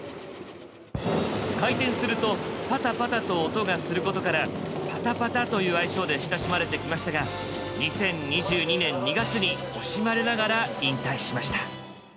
回転するとパタパタと音がすることから「パタパタ」という愛称で親しまれてきましたが２０２２年２月に惜しまれながら引退しました。